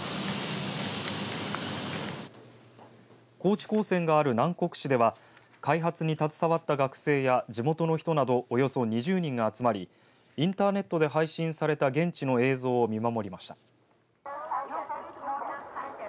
高知高専がある南国市では開発に携わった学生や地元の人などおよそ２０人が集まりインターネットで配信された現地の映像を見守りました。